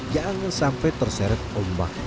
jangan sampai terseret ombak